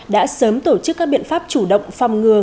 đã sớm tổ chức các biện pháp chủ động phòng ngừa